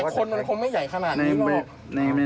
คนมันคงไม่ใหญ่ขนาดนี้